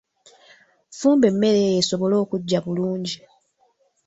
Fumba emmere eyo esobole okuggya bulungi.